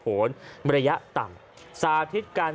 พอพาไปดูก็จะพาไปดูที่เรื่องของเครื่องบินเฮลิคอปเตอร์ต่าง